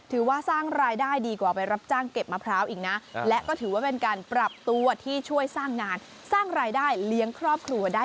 ถือว่าสร้างรายได้ดีกว่าไปรับจ้างเก็บมะพร้าวอีกนะ